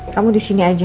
kamu disini aja